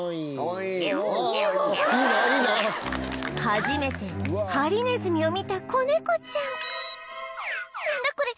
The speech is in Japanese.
初めてハリネズミを見た子ネコちゃんなんだこれ？